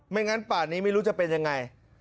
ไม่งั้นปลาอันนี้ไม่รู้จะเป็นอย่างไง